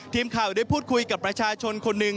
ทีมข่าวได้พูดคุยกับประชาชนคนหนึ่ง